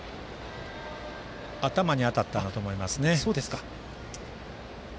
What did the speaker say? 頭に当たったんだと思いますね。